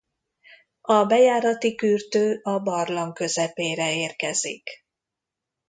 A bejárati kürtő a barlang közepére érkezik.